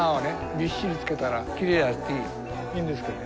びっしり付けたらきれいやしいいんですけどね